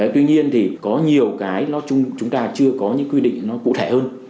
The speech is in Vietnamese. tuy nhiên thì có nhiều cái chúng ta chưa có những quy định cụ thể hơn